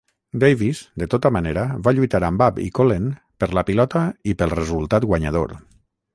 Davis, de tota manera, va lluitar amb Babb i Kolen per la pilota i pel resultat guanyador.